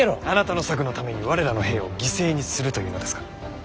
あなたの策のために我らの兵を犠牲にするというのですか。